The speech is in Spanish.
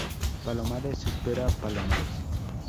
palomares, espera. palomares.